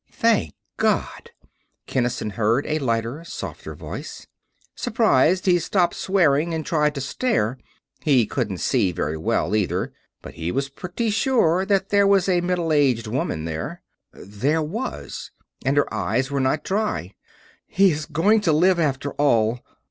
"Thank God!" Kinnison heard a lighter, softer voice. Surprised, he stopped swearing and tried to stare. He couldn't see very well, either, but he was pretty sure that there was a middle aged woman there. There was, and her eyes were not dry. "He is going to live, after all!"